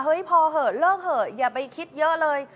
พอเหอะเลิกเถอะอย่าไปคิดเยอะเลย